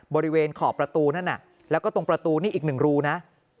บริเวณขอบประตูนั่นแล้วก็ตรงประตูนี่อีกหนึ่งรูนะ